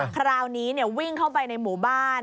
คราวนี้วิ่งเข้าไปในหมู่บ้าน